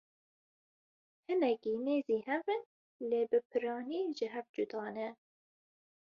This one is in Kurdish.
Hinekî nêzî hev in lê bi piranî ji hev cuda ne.